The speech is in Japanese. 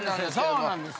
そうなんですよ。